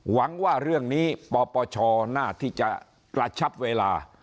หวังว่าเรื่องนี้ปปชน่าที่จะกระชับเวลา